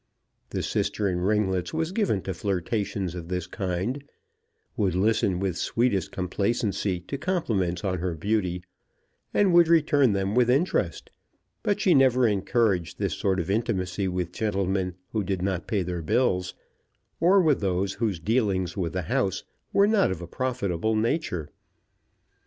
The sister in ringlets was given to flirtations of this kind, would listen with sweetest complacency to compliments on her beauty, and would return them with interest. But she never encouraged this sort of intimacy with gentlemen who did not pay their bills, or with those whose dealings with the house were not of a profitable nature.